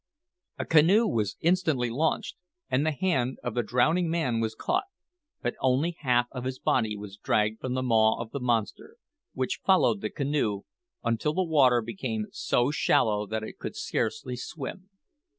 A canoe was instantly launched, and the hand of the drowning man was caught; but only half of his body was dragged from the maw of the monster, which followed the canoe until the water became so shallow that it could scarcely swim.